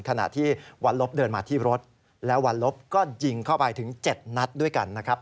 ขณะที่วันลบเดินมาที่รถแล้ววันลบก็ยิงเข้าไปถึง๗นัดด้วยกันนะครับ